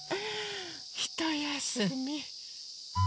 ひとやすみ。